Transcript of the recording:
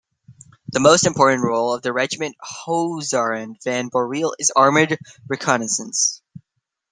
The most important role of the regiment Huzaren van Boreel is armoured reconnaissance.